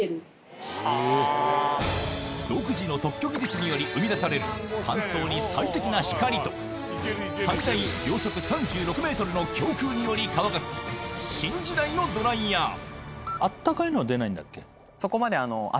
独自の特許技術により生み出される乾燥に最適な光と最大秒速３６ｍの強風により乾かす新時代のドライヤーそこまで。